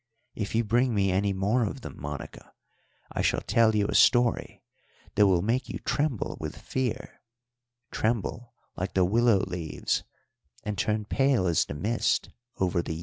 If you bring me any more of them, Monica, I shall tell you a story that will make you tremble with fear tremble like the willow leaves and turn pale as the mist over the Yí."